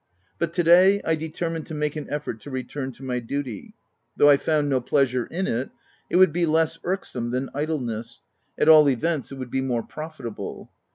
But to day, I de termined to make an effort to return to my duty. Though I found no pleasure in it, it would be less irksome than idleness — at all events it would be more profitable.